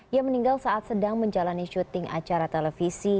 ia meninggal saat sedang menjalani syuting acara televisi